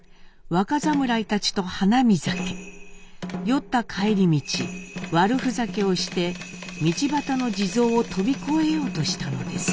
酔った帰り道悪ふざけをして道端の地蔵を飛び越えようとしたのです。